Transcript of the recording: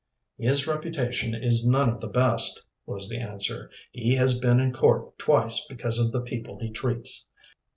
"His reputation is none of the best," was the answer. "He has been in court twice because of the people he treats."